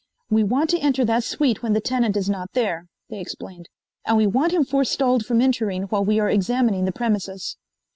"We want to enter that suite when the tenant is not there," they explained, "and we want him forestalled from entering while we are examining the premises."